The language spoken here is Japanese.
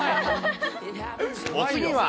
お次は。